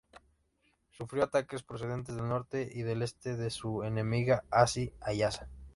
Sufrió ataques procedentes del norte y del este de su enemiga Azzi-Hayasa.